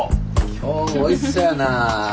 今日もおいしそうやな。